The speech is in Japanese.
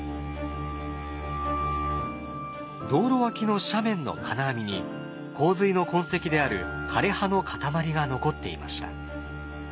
道路脇の斜面の金網に洪水の痕跡である枯れ葉の塊が残っていました。